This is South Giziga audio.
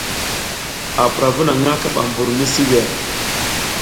A pura vu naƞʼna kaɓa mɓur misi wer.